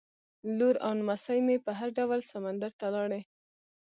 لور او نمسۍ مې په هر ډول سمندر ته لاړې.